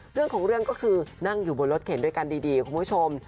เรื่องของเรื่องก็คือนั่งอยู่บนรถเข็นด้วยกันดีคุณผู้ชม